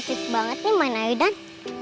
asik banget ini main aydan